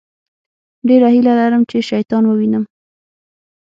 ډېره هیله لرم چې شیطان ووينم.